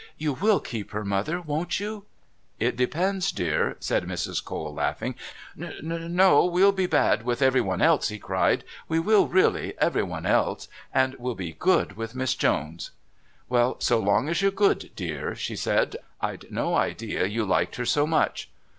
"You will keep her, Mother, won't you?" "It depends, dear," said Mrs. Cole, laughing. "You see " "No we'll be bad with everyone else," he cried. "We will, really everyone else. And we'll be good with Miss Jones." "Well, so long as you're good, dear," she said. "I'd no idea you liked her so much."